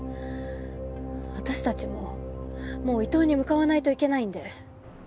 私たちももう伊東に向かわないといけないんで。